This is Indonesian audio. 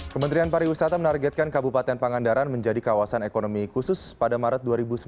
kementerian pariwisata menargetkan kabupaten pangandaran menjadi kawasan ekonomi khusus pada maret dua ribu sembilan belas